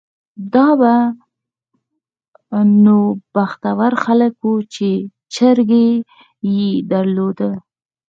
دا به نو بختور خلک وو چې چرګۍ یې درلوده.